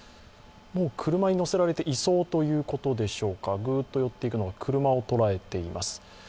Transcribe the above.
車に乗せられて移送ということでしょうか、グーッと寄っているのが車を捉えています。